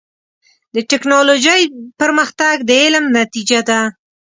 د ټکنالوجۍ پرمختګ د علم نتیجه ده.